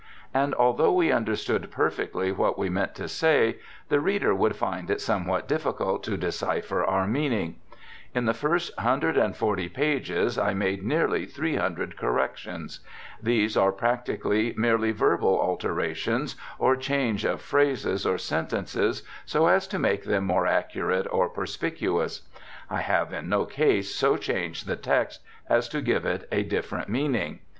And although we understood perfectly what we meant to say, the reader would find it somewhat difficult to decipher our meaning. In the first 140 pages I made nearly 300 corrections. These are practically merely verbal alterations or change of phrases or sentences so as to make them more accurate or perspicuous. I have in no case so changed the text as to give it a different meaning.